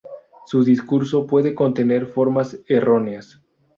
Su discurso puede contener formas erróneas.